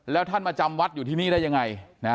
แล้วท่านมาจำวัดอยู่ที่นี่ได้ยังไง